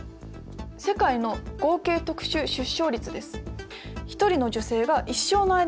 世界の合計特殊出生率です。